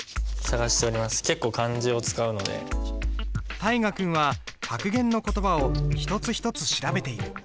大河君は格言の言葉を一つ一つ調べている。